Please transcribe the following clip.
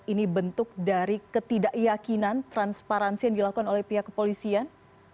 ini bentuk dari ketidakyakinan transparansi yang dilakukan oleh pihak kepolisian